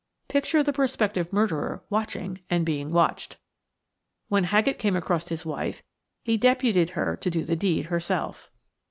Picture the prospective murderer watching and being watched! When Haggett came across his wife he deputed her to do the deed herself.